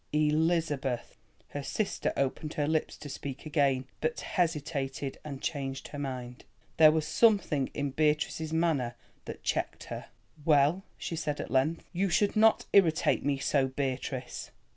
"Elizabeth." Her sister opened her lips to speak again, but hesitated, and changed her mind. There was something in Beatrice's manner that checked her. "Well," she said at length, "you should not irritate me so, Beatrice."